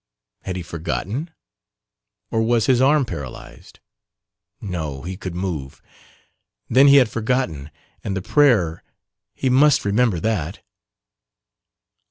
Had he forgotten? or was his arm paralyzed? No he could not move. Then he had forgotten and the prayer he must remember that.